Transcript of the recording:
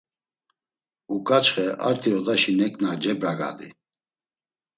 Uǩaçxe arti odaşi neǩna cebragadi.